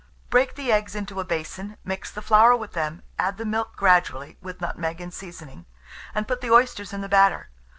Break the eggs into a basin, mix the flour with them, add the milk gradually, with nutmeg and seasoning, and put the oysters in the batter.